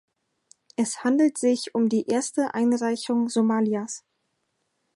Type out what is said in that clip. Es handelt sich um die erste Einreichung Somalias.